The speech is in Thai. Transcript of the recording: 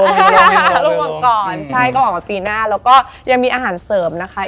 ร่วมมังกรใช่ก็ออกมาปีหน้าแล้วก็ยังมีอาหารเสริมนะคะ